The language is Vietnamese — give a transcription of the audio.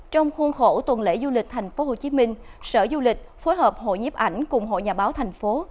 trong khuôn khổ tuần lễ du lịch tp hcm sở du lịch phối hợp hội nhiếp ảnh cùng hội nhà báo tp hcm